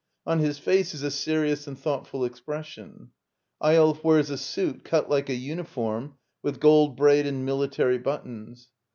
On his face is a serious and thought ful expression. Eyolf wears a suit cut like a uni form, with gold braid and military buttons.'